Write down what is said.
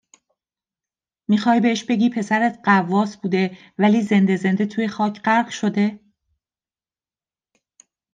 میخوای بهش بگی پسرت غواص بوده ولی زنده زنده توی خاک غرق شده؟